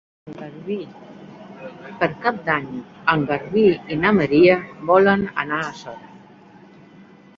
Per Cap d'Any en Garbí i na Maria volen anar a Sora.